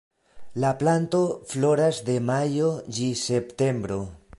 La planto floras de majo ĝis septembro.